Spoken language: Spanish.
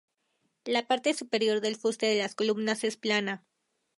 La parte superior del fuste de las columnas es plana.